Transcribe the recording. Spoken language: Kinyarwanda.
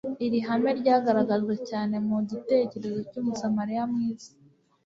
iri hame ryagaragajwe cyane mu gitekerezo cy'umusamariya mwiza,